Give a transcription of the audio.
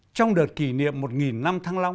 trong đợt kỷ niệm một nghìn năm